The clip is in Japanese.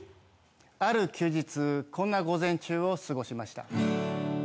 ある休日こんな午前中を過ごしました。